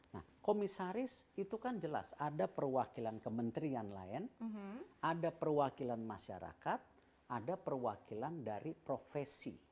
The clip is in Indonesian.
nah komisaris itu kan jelas ada perwakilan kementerian lain ada perwakilan masyarakat ada perwakilan dari profesi